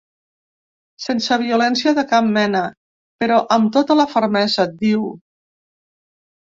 Sense violència de cap mena, ‘però amb tota la fermesa’, diu.